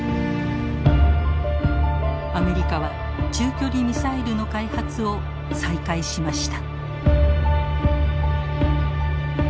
アメリカは中距離ミサイルの開発を再開しました。